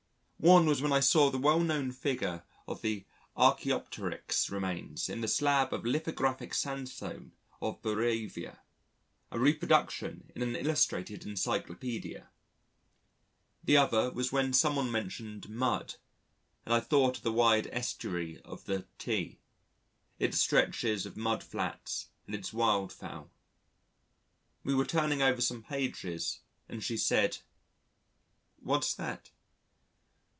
One was when I saw the well known figure of the Archæopteryx remains in the slab of Lithographic sandstone of Bavaria: a reproduction in an illustrated encyclopædia. The other was when someone mentioned mud, and I thought of the wide estuary of the T , its stretches of mudflats and its wild fowl. We were turning over some pages and she said: "What's that?"